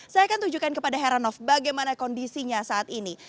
saya akan tunjukkan kepada heranov bagaimana kondisinya saat ini